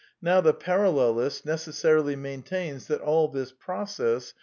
Now the parallelist necessarily maintains that all this process